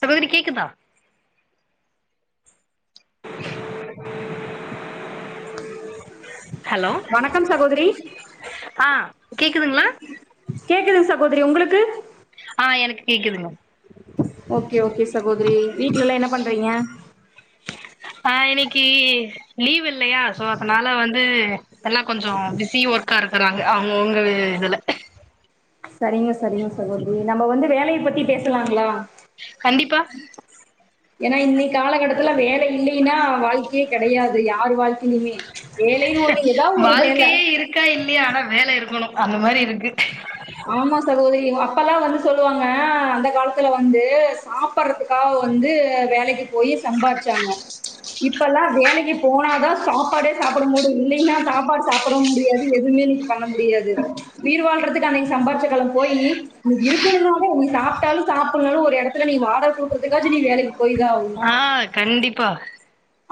சகோதரி கேக்குதா ஹலோ வணக்கம் சகோதரி கேக்குதுங்ளா கேக்குதுங் சகோதரி உங்களுக்கு ஆ எனக்கு கேக்குதுங்க ஓகே ஓகே சகோதரி வீட்லெல்லா என்ன பண்றீங்க ஆ இன்னக்கி லீவ் இல்லயா சோ அதனால வந்து இப்பல்லா கொஞ்சோ பிஸி ஒர்க்கா இருக் இருக்குறாங்க அவுங்கவுங்க இதுல சரிங்க சரிங்க சகோதரி நம்ம வந்து வேலைய பத்தி பேசலாங்களா கண்டிப்பா ஏன்னா இன்னிக் காலகட்டத்துல வேலை இல்லினா வாழ் யே கெடையாது யார் வாழ்க்கையிலையுமே வேலைன்னு ஒன்னு ஏதாது ஒரு வேல வாழ்க்கையே இருக்கா இல்லையா ஆனா வேல இருக்கணு அந்த மாரி இருக்கு ஆமா சகோதரி எங் அப்பல்லா வந்து சொல்லுவாங்க அந்த காலத்துல வந்து சாப்பட்றதுக்காக வந்து வேலைக்கு போய் சம்பார்ச்சாங்க இப்பல்லா வேலைக்கு போனாதா சாப்பாடே சாப்பட முடியு இல்லைன்னா சாப்பாடு சாப்பட முடியாது எதுமே இன்னைக் பண்ண முடியாது உயிர் வாழ்றதுக் அன்னிக்கி சம்பாதிச்ச காலம் போயி நீ இருக்குணுகாக நீ சாப்டாலு சாப்புட்லனாலு ஒரு எடத்துல நீ வாடக குடுக்கறதுக்காச்சி நீ வேலைக் ஆ கண்டிப்பா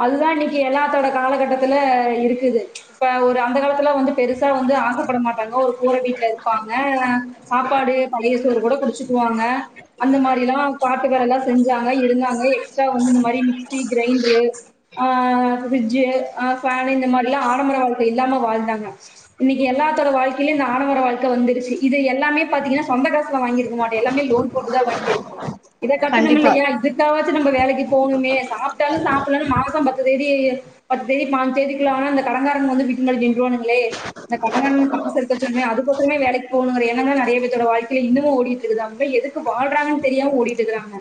அதுதா இன்னைக்கு எல்லாத்தோட காலகட்டத்துல இருக்குது இப்ப ஒரு அந்த காலத்துலா வந்து பெருசா வந்து ஆசைப்பட மாட்டாங்க ஒரு கூர வீட்ல இருப்பாங்க சாப்பாடு பழய சோறு கூட குடிச்சுக்குவாங்க அந்த மாரிலா காட்டு வேலலா செஞ்சாங்க இருந்தாங்க எக்ஸ்ட்ரா வந்து இந்த மாரி மிக்சி கிரைண்ட்ரு ஆ ஃபிரிட்ஜு ஆ ஃபேனு இந்த மாரிலா ஆடம்பர வாழ்க்கை இல்லாம வாழ்ந்தாங்க இன்னைக்கு எல்லாத்தோட வாழ்க்கைலயு இந்த ஆடம்பர வாழ்க்கை வந்துருச்சு இது எல்லாமே பாத்தீங்கன்னா சொந்த காசுல வாங்கிருக்க மாட்டே எல்லாமே லோன் போட்டுதா வாங்கிருக்கு இத கண்டிப்பா கட்டணுமில்லையா இதுக்காகவா [unintelligible] நம்ம வேலைக்கு போணுமே சாப்ட்டாலு சாப் மாசோ பத்து தேதி பத்து தேதி பாஞ்சு தேதிக்குள்ள ஆனா இந்த கடன்காரங்க வந்து வீட்டு முன்னாடி நின்றுவானுங்ளே இந்த கடங்காரனுக்கு காசு எட்த்து வச்ரணு அதுக்கோசுரமே வேலைக்கு போணுங்கர எண்ணந்தா நெறைய பேத்தோட வாழ்க்கைல இன்னுமு ஓடிட்ருக்குது அவுங்லா எதுக்கு வாழ்றாங்கன் தெரியாம ஓடிட்டு இருக்றாங்க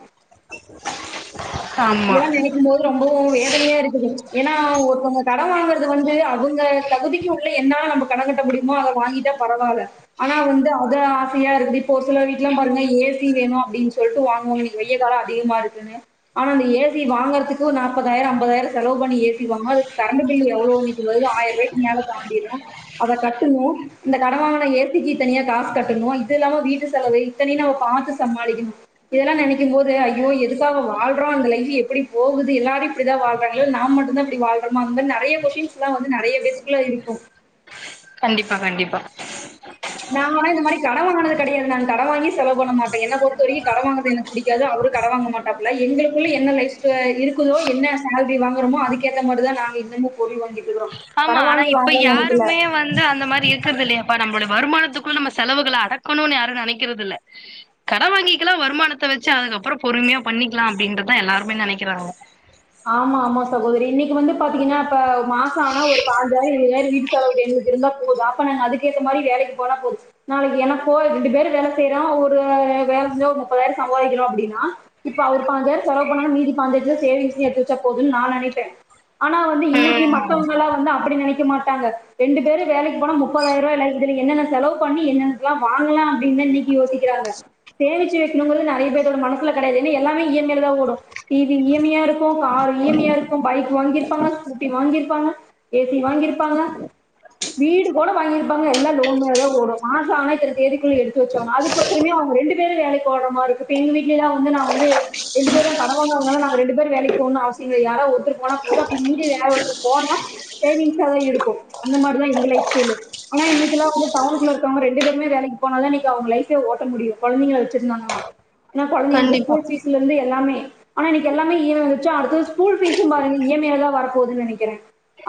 ஆமா இதலா நெனைக்கும் போது ரொம்பவு வேத தனையா இருக்குது ஏன்னா ஒருத்தவங்க கடன் வாங்றது வந்து அவுங்க தகுதிக்கு உள்ள என்னால நம்ம கடன் கட்ட முடியுமோ அத வாங்கிட்டா பரவால்ல ஆனா வந்து அத ஆசையா இருக்குது இப்போ ஒரு சில வீட்ல பாருங்க ஏ சி வேணு அப்டின் சொல்ட்டு வாங்குவாங்க இனி வெயில் கால அதிகமா இருக்குனு ஆனா அந்த ஏ சி வாங்கறதுக்கு நாப்பதாயிரோ அம்பதாயிரோ செலவு பண்ணி ஏ சி வாங்னோ அதுக் கரண்டு பில்லு எவ்ளோ இன்னைக்கு வருது ஆயிர்ரூவாய் க் மேலே தாண்டிரு அத கட்டணு இந்த கட வாங்குன ஏ சி க்கு தனியா காசு கட்டணு இது இல்லாம வீட்டு செலவு இத்தனயு நம்ம பாத்து சமாளிக்கணு இதெல்லா நெனைக்கும் போது ஐயோ எதுக்காக வாழ் அப்றோ அந்த லைஃப் எப்டி போகுது எல்லாரு இப்டிதா வாழ்றாங்ளா இல்ல நா மட்டுந்தா இப்டி வாழ்றமா அண்ட் தென் நெறைய ஃகொஷ்டின்ஸ்லா வந்து நெறைய பேத்துகுள்ள இருக்கு கண்டிப்பா கண்டிப்பா நாங்கலா இந்த மாரி கடன் வாங்குனது கெடையாது நாங்க கடன் வாங்கி செலவு பண்ண மாட்டோன் என்ன பொறுத்த வரைக்கு கடன் வாங்குறது எனக்கு புடிக்காது அவரு கடன் வாங்க மாட்டாப்ல எங்குளுக்குள்ள என்ன லைஃப் ஸ்டா இருக்குதோ என்ன சேல்ரி வாங்குறமோ அதுக்கேத்த மாரிதா நாங்க இன்னமு பொருள் வாங்கிட்டிருக்கிறோ இப்ப யாருமே வந்து அந்த மாரி இருக்குறது இல்லயேப்பா நம்பளோட வருமானத்துக்குள்ள நம்ம செலவுகள அடக்கணுன்னு யாரு நெனைக்கறதில்ல கடன் வாங்கிக்கலா வருமானத்த வெச்சு அதுக்கப்பறோ பொறுமையா பண்ணிக்லா அப்டின்றதுதா எல்லாருமே நெனைக்கிறாங்க ஆமா ஆமா சகோதரி இன்னைக்கு வந்து பாத்தீங்கன்னா இப்ப மாச ஆனா ஒரு பாஞ்சாயிரோ இருவதாயிரோ வீட்டு செலவுக்கு எங்களுக்கு இருந்தா போது அப்ப நாங்க அதுக்கேத்த மாரி வேலைக்கு போனா போது நாளைக்கு எனக்கோ ரெண்டு பேரு வேல செய்றோ ஒரு வேல செஞ்சு ஒரு முப்பதாயிரோ சம்பாதிக்கிறோ அப்டின்னா இப்ப அவுரு பாஞ்சாயிரோ செலவு பண்ணா மீதி பாஞ்சாயிரத்துல சேவிங்ஸ் எத்து வெச்சா போதுன்னு நா நெனைப்பே ஆனா வந்து இன்னைக்கி ம் மத்தவங்கலா வந்து அப்புடி நெனைக்க மாட்டாங்க ரெண்டு பேரு வேலைக்கு போனா முப்பதாயிர ருவால இருந்து நீங்க என்னென்ன செலவு பண்ணி என்னென்னலா வாங்கலா அப்டின்னு தா இன்னைக்கு யோசிக்குறாங்க சேமிச்சு வைக்கணுங்கிறது நெறைய பேர்த்தோட மனசுல கெடையாது ஏன்னா எல்லாமே இ எம் ஐ லதா ஓடு டீவி இ எம் ஐ யா இருக்கு இருக்கு காரு இ எம் ஐ யா இருக்கு பைக் வாங்கிருப்பாங்க ஸ்கூட்டி வாங்கிருப்பாங்க ஏ சி வாங்கிருப்பாங்க வீடு கூட வாங்கிருப்பாங்க எல்லா லோன்ல தா ஓடு மாச ஆனா இத்தன தேதிக்குள்ள எடுத்து வெச்சிரணு அதுக்கு ஒசரமே அவங்க ரெண்டு பேரு வேலைக்கு ஓட்ற மாரி இருக்கு எங்க வீட்ல எல்லா வந்து நா வந்து ரெண்டு பேரு கடன் வாங்காதனால நாங்க ரெண்டு பேரு வேலைக்கு ஒன்னு அவசியோ கெடையாது யாரா ஒருத்தர் போனா போது அப்டி மீறி வேற ஒருத்தர் போனா சேவிங்சா தா இருக்கு அந்த மாரிதா எங்க லைஃப் ஸ்டைலு ஆனா இன்னைக்கெல்லா வந்து டவுனுக்குள்ள இருக்கவங்க ரெண்டு பேருமே வேலைக்கு போனாதா இன்னிக்கி அவங்க லைஃப்பே ஓட்ட முடியு கொழந்தைங்கள வெச்சிருந்தாங்கன்னா ஏன்னா கொழந்தைங்களுக்கு கண்டிப்பா ஸ்கூல் ஃபீஸ்ல இருந்து எல்லாமே ஆனா இன்னைக்கு எல்லாமே இ எம் ஐ அது ஸ்கூல் ஃபீசும் பாருங்க இனி இ எம் ஐ தா வரப்போகுதுன்னு நெனைக்குற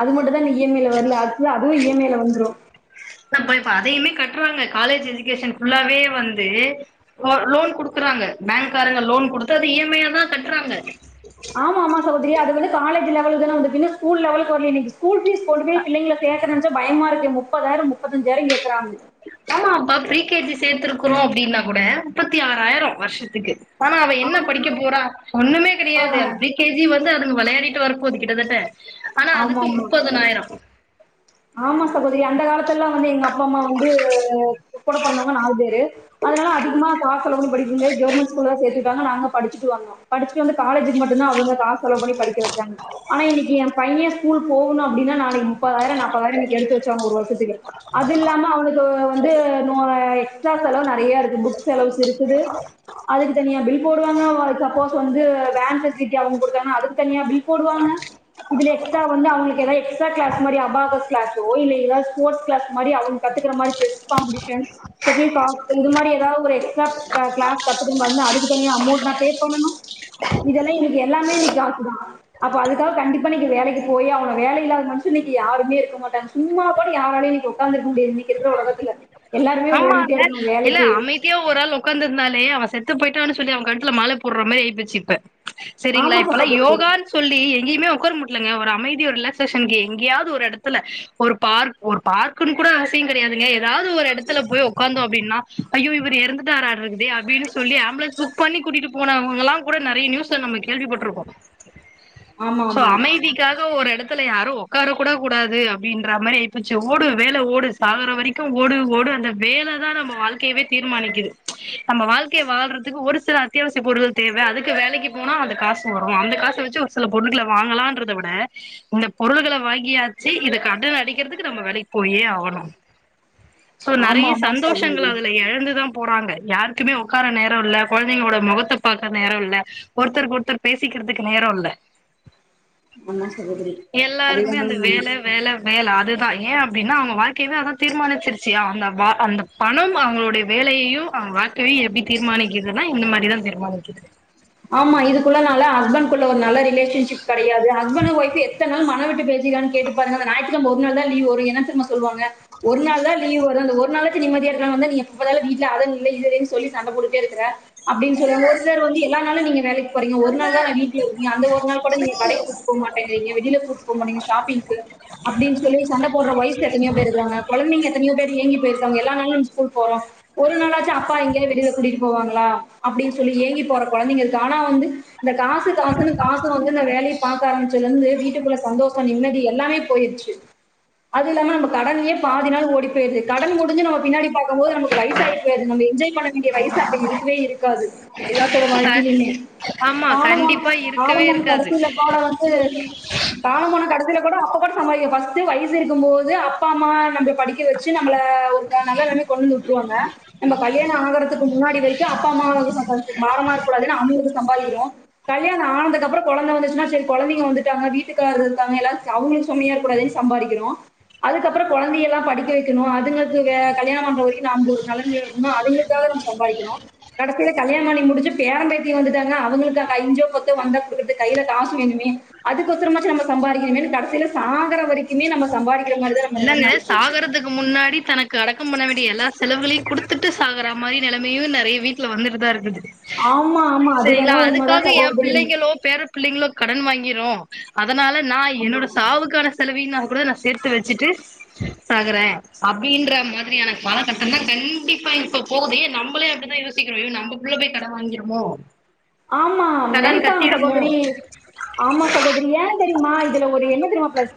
அது மட்டும் தா இன்னு இ எம் ஐல வரல அடுத்து அதுவு இ எம் ஐல வந்துரு இப்ப அதயுமே கட்டுறாங்க காலேஜ் எஜுகேஷன் ஃபுல்லாவே வந்து லோன் குடுக்குறாங்க பேங்க்காரங்க லோன் கொடுத்து அத இ எம் ஐயா தா கட்டுறாங்க ஆமா ஆமா சகோதரி அது வந்து காலேஜ் லெவலுக்குதா வந்துருக்கு இன்னு ஸ்கூல் லெவல்கு வரல இன்னைக்கு ஸ்கூல் ஃபீஸ் கொண்டு போய் பிள்ளைங்கள சேக்க நெனச்சா பயமா இருக்கு முப்பதாயிரம் முப்பத்தஞ்சாயிரம் கேக்குறாங் ஆமா அப்பா ப்ரீ கே ஜி சேத்துருக்கோ அப்டின்னா கூட முப்பத்தி ஆறாயிர வருஷத்துக்கு ஆனா அவ என்ன படிக்க போறா ஒண்ணுமே கிடையாது அது ப்ரீ கே ஜி வந்து அத விளையாடிட்டு வரப்போது கிட்டத்தட்ட ஆனா ஆமா அதுக்கு ஆமா முப்பதனாயிரம் ஆமா சகோதரி அந்த காலத்துலல்லா வந்து எங்க அப்பா அம்மா வந்து கூட பொறந்தவங்க நாலு பேரு அதனால அதிகமா காசு செலவு பண்ணி படிக்க முடியாது கெவ்ருமெண்ட் ஸ்கூல்லதா சேத்து விட்டாங்க நாங்க படிச்சுட்டு வந்தோ படிச்சுட்டு வந்து காலேஜுக்கு மட்டுந்தா அவங்க காசு செலவு பண்ணி படிக்க வச்சாங்க ஆனா இன்னைக்கு எம் பைய ஸ்கூல் போகணு அப்டின்னா நாளைக்கு முப்பதாயிரொ நாப் தாயிரோ இன்னைக்கு எடுத்து வச்சாங்க ஒரு வருஷத்துக்கு அது இல்லாம அவனுக்கு வ வந்து நோ எக்ஸ்ட்ரா செலவு நெறையா இருக்கு புக்ஸ் செலவுஸ் இருக்குது அதுக்கு தனியா பில் போடுவாங்க சப்போஸ் வந்து வேன் ஃபெசிலிட்டி அவங்க குடுத்தாங்கனா அதுக்கு தனியா பில் போடுவாங்க இதுல எக்ஸ்ட்ரா வந்து அவங்களுக்கு எதா எக்ஸ்ட்ரா கிளாஸ் மாரி அபாகஸ் [unintelligible] ஸ்போர்ட்ஸ் கிளாஸ் மாரி அவுங்க கத்துக்கிற மாரி செஸ் காம்பெடிஷன் ஷட்டில் கார்க் இந்த மாரி ஒரு எக்ஸ்ட்ரா க கிளாஸ் கத்துக்குற மாரி இருந்தா அதுக்கு தனியா அமௌன்ட் லா பே பண்ணனு இதெல்லா இன்னிக்கு எல்லாமே இன்னைக்கு [unintelligible] அப்ப அதுக்காக கண்டிப்பா நீங்க வேலைக்கு போயே ஆகணு வேல இல்லாத மனுஷனு இங்க யாருமே இருக்க க மாட்டாங்க சும்மா கூட யாராலயு இங்க உட்காந்துருக்க முடியாது இன்னைக்கு இருக்கற ஒலகத்துல எல்லாருமே ஓடிேட்டே ஆமாங்க இருக்கனு வேலைக் இல்ல அமைதியா ஒரு ஆள் உக்காந்துருந்தாலே அவ செ த்து போயிட்டான்னு சொல்லி அவங்க கழுத்துல மால போடுற மாரி ஆயிப்போச்சு இப்ப சரிங்களா ஆமா இப்பல்லா சகோதரி யோகான்னு சொல்லி எங்கேயுமே உட்கார முடியலங்க ஒரு அமைதியா ரிலாக்ஸ்சேஷன் க்கு எங்கயாவது ஒரு எடத்துல ஒரு பார்க் ஒரு பார்க்குன்னு கூட அவசிய கெடையாதுங்க எதாவது ஒரு எடத்துல போய் உக்காந்தோ அப்படின்னா ஐயோ இவர் எறந்துட்டாறாட்ருக்குதே அப்படின்னு சொல்லி ஆம்புலன்ஸ் புக் பண்ணி கூட்டிகிட்டு போனவங்கெல்லா கூட நெறைய நியூஸ்ல நம்ம கேள்விப்பட்டிருக்கோ சோ அமைதிக்காக ஒரு எடத் ல யாரு ஒக்கார கூட கூடாது அப்படின்ற மாரி ஆகிப்போச்சு ஓடு வேல ஓடு சாகுற வரைக்கு ஓடு ஓடு அந்த வேல தா நம்ம வாழ்க்க கயவே தீர்மானிக்குது நம்ம வாழ்க்கைய வாழ்றதுக்கு ஒரு சில அத்தியாவசிய பொருள்கள் தேவ அதுக்கு வேலைக்கு போனா அந்த காசு வரு அந்த காசு வச்சு ஒரு சில பொருள்கள வாங்கலான்றத விட இந்த பொருள்களை வாங்கியாச்சு இத கடன அடைக்கிறதுக்கு நம்ம வேலைக்கு போயே ஆகணும் சோ ஆமா நெறைய ஆமா சந்தோஷங் சகோதரி அதுல எழந்துதான் போறாங்க யாருக்குமே உட்கார நேரம் இல்ல கொழந்தைங்களோட முகத்த பாக்க நேர இல்ல ஒருத்தருக்கு ஒருத்தர் பேசிக்கிறதுக்கு நேர இல்ல ஆமா சகோதரி எல்லாருக்குமே அதுதா அந்த வேல வேல வேல அதுதா ஏ அப்படின்னா அவங்க வாழ்க்கையவே அதா தீர்மானிச்சிருச்சு அ அந்த வா அந்த பணம் அவங்களுடைய வேலையையு அவங்க வாழ்க்கையையு எப்படி தீர்மானிக்குதுன்னா இந்த மாரிதா தீர்மானிக்குது ஆமா இதுக்குள்ள நால ஹஸ்பண்ட் குள்ள ஒரு நல்ல ரிலேஷன்ஷிப் கடையாது ஹஸ்பண்ட் ஒய்ஃப் எத்தன நாள் மன விட்டு பேசிருக்காங்க கேட்டு பாருங்க அந்த ஞாயித்துகெழம ஒரு நாள் தா லீவு இதுல என்ன தெரியுமா சொல்லுவாங்க ஒரு நாளு தா லீவு வருது அந்த ஒரு நாளைக்கு நிம்மதியா இருக்கலான் வந்தா நீ எப்போ பாத்தாலு வீட்ல அத இல்ல இது இல்லனு சொல்லி சண்ட போட்டுட்டே இருக்கிற அப்படினு சொல்வாங்க ஒரு சிலர் வந்து எல்லா நாளும் நீங்க வே லைக்கு போறீங்க ஒரு நாள் தா நா வீட்ல இருக்கே அந்த ஒரு நாள் கூட நீங்க கடைக்கு கூட்டிட்டு போக மாட்டிங்கிறிங்க வெளில கூட்டி போ மாட்டிங்கிறீங்க ஷாப்பிங்க்கு அப்படினு சொல்லி சண்ட போட்ற ஒயிஃப் எத்தனையோ பேர் இருக்காங்க கொழந்தைங்க எத்தனையோ பேர் ஏங்கி போயிருக்காங்க எல்லா நாளு நம்ம ஸ்கூல் போறோ ஒரு நாளாச்சு அப்பா எங்கையாது வெளில கூட்டி போவாங்களா அப்டின்னு சொல்லி ஏங்கி போற கொழந்தைங்க தானா வந்து இந்த காசு காசுன்னு காசு வந்து இந்த வேலைய பாக்க ஆரம்பிச்சதுலருந்து வீட்டுக்குள்ள சந்தோஷ நிம்மதி எல்லாமே போயிருச்சு அது இல்லாம நம்ம கடனையே பாதி நாள் ஓடி போயிருது கடன் முடிஞ்சு நம்ம பின்னாடி பாக்கும் போது நமக்கு வயசாகி போயிருது நம்ம என்ஜாய் பண்ண வேண்டிய வயசு அப்ப இருக்கவே இருக்காது எல்லாக் தோட அ வாழ்க்கையிலயுமே ஆமா கால கண்டிப்பா இருக்கவே காலம்போன இருக்காது கடைசி [unintelligible] வந்து காலம்போன கடைசி அப்ப கூட சம்பாதிக்க ஃபஸ்ட் வயசு இருக்கும் போது அப்பா அம்மா நம்மள படிக்க வச்சு நம்மல ஒரு நல்ல நெலமைக்கு கொண்டு வந்து உட்டுருவாங்க நம்ம கல்யாண ஆகறதுக்கு முன்னாடி வரைக்கு அப்பா அம்மா நமக்கு சப் கல்யாண ஆனதுக்கு அப்புற கொழந்த வந்துச்சுன்னா சரி கொழந்தைங்க வந்துட்டாங்க வீட்டுக்காரரு இருக்காங்க எல்லா அவங்களுக்கு சுமையா இருக்க கூடாதுன்னு சம்பாதிக்கறோ அதுக்கப்புற கொழந்தை எல்லாம் படிக்க வக்கணும் அதுங்களுக்கு கல்யணம் பண்ற வரைக்கு நம்ம ஒரு நெலமைல இருக்கனு அதுங்குளுக்காக நம்ம சம்பாதிக்கிறோ கடைசில கல்யாணம் பண்ணி முடிஞ்சு பேரம் பேத்திங்க வந்துட்டாங்க அவங்களுக்கு க அஞ்சோ பத்தோ வந்தா குடுக்குறதுக்கு கையில காசு வேணுமே அதுக்கொசரமாச்சு நம்ம சம்பாதிக்கணுமே கடைசில சாகுற வரைக்குமே நம்ம சம்பாரிக்க இல்லங்க சாகறதுக்கு முன்னாடி தனக்கு அடக்கம் பண்ண வேண்டிய எல்லா செலவுகளயு குடுத்துட்டு சாகற மாரி நெலைமையு நெறைய வீட்ல வந்துட்டுதா இருக்குது ஆமா ஆமா சரிங்களா அதுவேணா உண்மதா அதுக்காக என் சகோதரி பிள்ளைங்களோ பேர பிள்ளைங்களோ கடன் வாங்கிறோ அ அதனால நா ஆமா. என்னோட சாவுக்கான செலவையுனா கூட நா சேத்து வெச் ச்சட்டு சாகறே அப்டின்ற மாதிரியான காலகட்டதுல கண்டிப்பா இப்போ போகுதே நம்பளே அப்டித்தா யோசிக்கிறோ யோ நம்ம புள்ள போய் கடன் வாங்கிருமோ ஆமா கடன் நெனைப்பாங்க கட்டிருமோ சகோதரி ஆமா சகோதரி ஏ தெரியுமா இதுல ஒரு என்ன தெரியமா பிளஸ்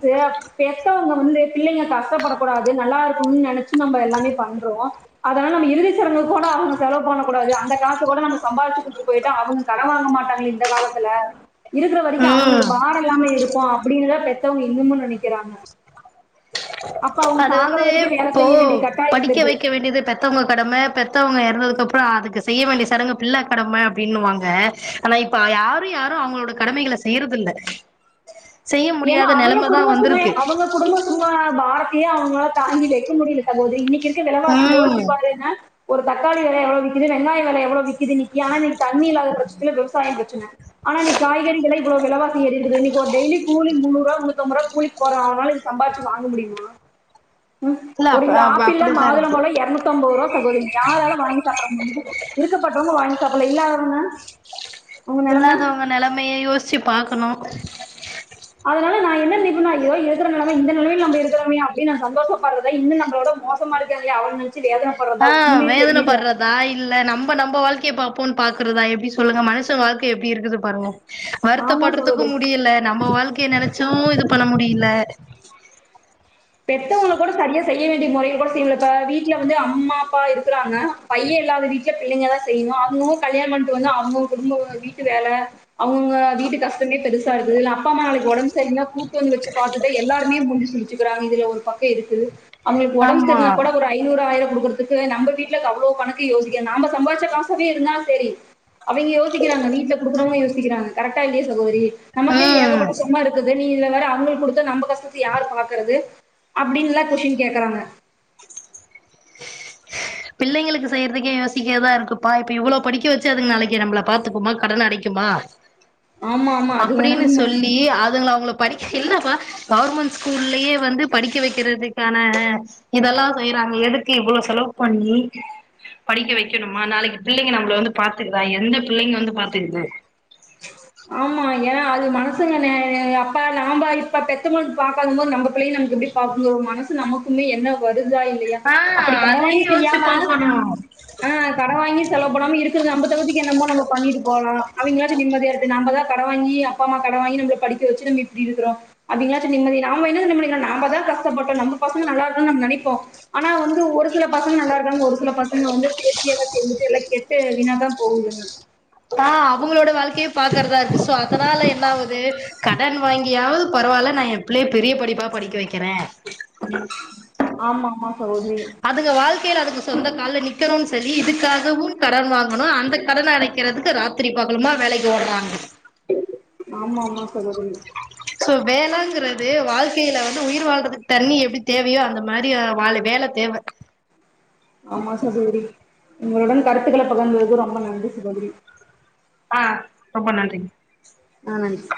பெத்தவங்க வந்து பிள்ளைங்க கஷ்டப்படக்கூடாது நல்லாருக்கும்னு நீனைச்சு நம்ம எல்லாமே பண்றோ அதனால நம்ம இறுதிச்சடங்கு கூட அவுங்க செலவு பண்ணக்கூடாது அந்த காச கூட நம்ம சம்பாதிச்சுட்டு போயிட்டு அவுங்க கடன் வாங்க மாட்டாங்க இந்த காலத்துல இருக்குற வரைக்கு அவுங்களுக்கு ம் பாரோ இல்லாம இருப்போ அப்டின்னுதா பெத்தவங்க இன்னுமும் நெனைக்கிறாங்க அப்ப அவங்க அது சாகுற வந்து வரைக்கும் வேல இப்போ செய்ய வேண்டிய கட்டாயம் படிக்க வந்துருது வைக்க வேண்டியது பெத்தவங்க கடம பெத்த த்தவங்க இறந்ததுக்கு அப்புறோ அதுக்கு செய்ய வேண்டிய சடங்கு பிள்ள கடம அப்படின்னுவாங்க ஆனா இப்ப யாரு யாரு அவுங்களோட கடமைகளை செய்யறது இல்ல செய்ய ஏன்னா முடியாத அவுங்க நெலம தா குடும்ப சுமை வந்திருக்கு அவுங்க குடும்ப சும பார யே அவுங்களால தாங்கி வைக்க முடியல சகோதிரி இன்னிக்கி இரு குற விலவாசி ம் யோசிப்பறேன்ன ஒரு தக்காளி வெல எவ்ளோ விக்குது வெங்காய வெல எவ்ளோ விக்குது இன்னிக்கி [unintelligible] தண்ணி இல்லாத பட்சத்தில் விவசாய பிரச்சன ஆனா நீ காய்கறிகளை இப்போ வெலவாசி ஏறிடுது இப்போ டெய்லி கூலி முன்னூறுபா முன்னத்தம்பது ரூபா கூலிக்கு போறனால சம்பாதிச்சு வாங்க முடியுமா ம் இல்ல ஒரு அப் கிலோ அப் ஆப்பிள் அப்டிதா மாதுளம் இருக்கு பழோ இரநூத்து ஐம்பதுரூபா சகோதரி யாராலு வாங்கி சாப்புட முடியு இருக்கப்பட்டவங்க வாங்கி சப்பள இல்லாதவங்க அவங்க நிலைமை இல்லாதவங்க நெலமையே யோசிச்சு பாக் கொனு அதனால நா என்ன [unintelligible] இருக்கற நெலம இந்த நெலமையிலு நம்ப இருக்கிறமோ அப்டின்னு நெனச்சோ சந்தோஷம் பாக்குறத இன்னு நம்மளோட மோசமான இருக்காங்களைய அவனு ஆஹ் வேதனை படறதா இல்ல நம்ம நம்ப வாழ்க் கையே பாப்போன்னு பாக்கறதா எப்புடி சொல்லாங்க மனுச வாழ்க்கைய எப்டி இருக்குது பாருங்க ஆமா வருத்தப்படுறதுக்கு சகோதரி முடியல நம்ம வாழ்க்கைய நீனைச்சு இது பண்ண முடியல [inaudible] பெத்தவங்கள கூட சரியா செய்ய வேண்டிய மொறையக் கூட செய்யளலப்பா வீட்ல வந்து அம்மா அப்பா இருக்கறாங்க பைய இல்லாதது வீட்லே பிள்ளைங்கதா செய்யணு அவுங்கவுங்க கல்யாணோ பண்ணிட்டு வந்து அவுங்கவுங்க குடும்ப வீட்டு வேல அவுங்க வீட்டு கஷ்டமே பெருசாருக்கு இதுல்ல அப்பாம்மாக்கு ஒடம்பு சரியில்ல கூட்டு வந்து வெச்சு பாத்ததுண்டு எல்லாருமே மூஞ்சு சுலிச்சு கிரங்க இதுல ஒரு பக்கை இருக்குது அவுங்களுக்கு ஒடம்பு ஆமா சரியில்லனாக் கூட ஒரு ஐநூறு ஆயிரோ [unintelligible] நம்ம வீட்ல அவ்ளோவு கணக்கு யோசிக்கறோ நாம் சம்பாதிச்ச காசு வீடுன்னா செரி அவிங்கை யோசிக்கிறாங்க வீட்ல குடுக்கணுன்னு யோசிக்கிறாங்க கரெக்ட்டா இந்த டேஸ்ல கொடுட்டி நமக்கே ம் ஏகபட்சஷமாருக்குது த்து நீ வேற அவுங்க கொடுத்து நம்ம கஷ்டத்தை யார் பாக் குறது அப்டின்ல்லா கொஷ்டின் கேக்கறாங்க பிள்ளைங்களுக்கு செய்யறதுக்கே யோசிக்கிறதா இருக்குப்பா இப்ப இவ்வள படிக்க வெச்சு அதுங்க நாளைக்கு நம்மள பாத்துக்குமா கடன அடைக்குமா ஆமா, ஆமா. அது வேணா அப்பிடின்னு உண்ம. சொல்லி அதுங்ள அவங்கள படி இல்லப்பா கவர்மெண்ட் ஸ்கூல்லயே வந்து படிக்க வெக்கிறதுக்கான இதெல்லா செய்யறாங்க எதுக்கு இவ்ள செலவு பண்ணி படிக்க வெக்கணுமா நாளைக்கு பிள்ளைங்க நம்மள வந்து பாத்துக்குதா எந்த பிள்ளைங்க வந்து பாத்துக்குது ஏனா அது மனசுங்க நெ அப்பா நாம்ப இப்ப பெத்த பொழுது பாக்காதம் போது நம்ப பிள்ளைங்க நம்மள எப்புடி பாக்குங்கோ மனசு நமக்குமே என்ன வரு தா இல்லையா ஆ அப்படி கட அதையு வாங்கி யோசிச்சு செய்யாம பாக்கணு ஆ கட வாங்கி செலவு பண்ணாம இருக்கறது நம்ப தகுதிக்கு என்னமோ நம்ம பண்ணிட்டு போலா அவிங்களாச்சி நிம்மதியாரு கடன் வாங்கி அப்பா அம்மா கடன் வாங்கி நம்ம படிக்க வச்சு நம்ம இப்படி இருக்கிறோம் அப்பங்களாச் நிம்மதி அவங்க என்ன தெரியுமா நினைக்கிறாங்க நாம தான் கஷ்டப்பட்டோம் நம்ம பசங்க நல்லா இருக்கணு நம்ம நினைப்போம் ஆனா வந்து ஒரு சில பசங்க நல்லா இருக்காங்க ஒரு சில பசங்க வந்து சேர்க்கையெல்லாம் சேர்ந்துட்டு எல்லாம் கெட்டு வீணாதான் போகுது ஆ அவங்களோட வாழ்க்கையே பாக்குறதா இருக்கு சோ அதனால என்னாவுது கடன் வாங்கியாவது பரவாயில்ல நான் என் பிள்ளைய பெரிய படிப்பா படிக்க வைக்கிறேன். ஆமா ஆமா சகோதரி. கையில அதுக்கு சொந்த கால நிக்கணும் சொல்லி இதுக்காகவும் கடன் வாங்கணும் அந்த கடன் அடைக்க இருக்கிறதுக்கு ராத்திரி பகலுமா வேலைக்கு ஓடுறாங்க. ஆமி ஆமாம் சகோதரி. சோ வேலைங்கிறது வாழ்க்கையில வந்து உயிர் வாழ்றதுக்கு தண்ணி எப்படி தேவையோ அந்த மாதிரி வா வேலை தேவை ஆமா சகோதரி. உங்களுடன் கருத்துக்களை பகிர்ந்ததற்கு ரொம்பக்ஷ நன்றி சகோதரி. ஆ ரொம்ப நன்றி. ஆ நன்றி.